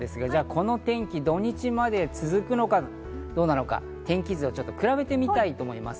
この天気、土日まで続くのかどうなのか天気図を比べてみたいと思います。